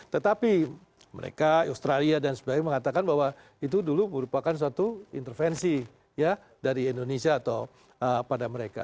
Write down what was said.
tetapi mereka australia dan sebagainya mengatakan bahwa itu dulu merupakan suatu intervensi ya dari indonesia atau pada mereka